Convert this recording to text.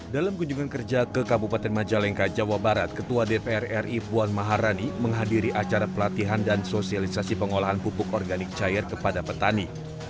dalam kunjungan kerja ke kabupaten majalengka jawa barat ketua dpr ri puan maharani menghadiri acara pelatihan dan sosialisasi pengolahan pupuk organik cair kepada petani